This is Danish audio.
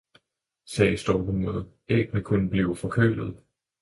« sagde Storkemoder, »Æggene kunne blive forkølede!